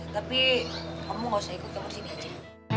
tapi kamu gak usah ikut kemur sini aja